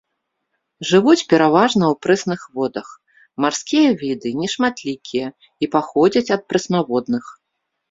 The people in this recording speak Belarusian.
Жывуць пераважна ў прэсных водах, марскія віды нешматлікія і паходзяць ад прэснаводных.